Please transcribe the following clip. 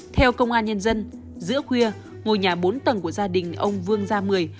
theo công an nhân dân giữa khuya ngôi nhà bốn tầng của gia đình ông vương gia mười